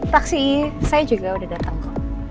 taksi saya juga udah datang kok